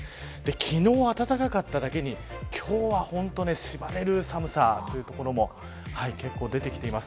昨日、暖かかっただけに今日は本当にしばれる寒さというところも結構、出てきています。